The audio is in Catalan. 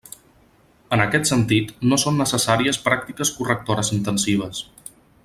En aquest sentit, no són necessàries pràctiques correctores intensives.